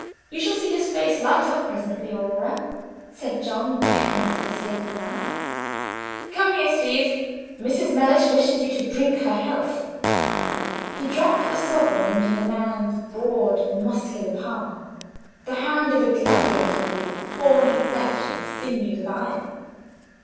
You shall see his face light up presently, Aurora," said John, beckoning to the stableman. "Come here, Steeve. Mrs. Mellish wishes you to drink her health." He dropped a sovereign into the man's broad, muscular palm the hand of a gladiator, with horny flesh and sinews of iron.